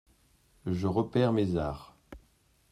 Je reperds mes arrhes…